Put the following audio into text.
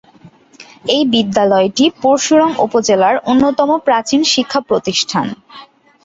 এই বিদ্যালয়টি পরশুরাম উপজেলার অন্যতম প্রাচীন শিক্ষাপ্রতিষ্ঠান।